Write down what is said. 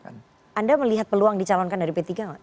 anda melihat peluang dicalonkan dari p tiga nggak